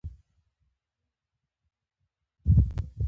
مۍ وريجې ږيره او برېتونه يې همدومره وو.